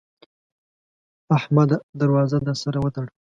احمده! در وازه در سره وتړه.